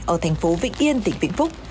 ở thành phố vịnh yên tỉnh vịnh phúc